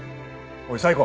おい冴子！